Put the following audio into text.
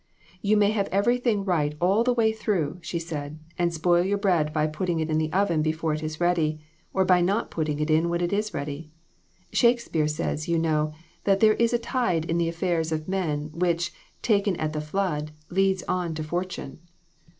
"You may have everything right all the way through," she said, "and spoil your bread by put ting it in the oven before it is ready, or by not putting it in when it is ready. Shakespeare says, you know, that 'there is a tide in the affairs of men which, taken at the flood, leads on to for tune.'